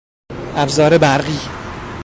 ابزار برقی